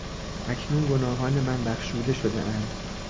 اکنون گناهان من بخشوده شدهاند.